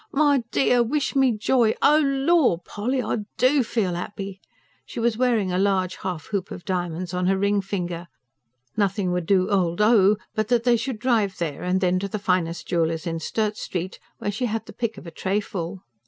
"My dear, wish me joy! Oh, lor, Polly, I DO feel 'appy!" She was wearing a large half hoop of diamonds on her ring finger: nothing would do "old O." but that they should drive there and then to the finest jeweller's in Sturt Street, where she had the pick of a trayful.